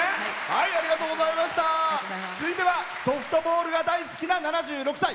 続いてはソフトボールが大好きな７６歳。